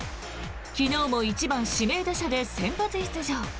昨日も１番指名打者で先発出場。